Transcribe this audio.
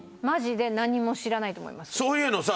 そういうのさ